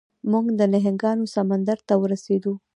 موږ د نهنګانو سمندر ته ورسیدو.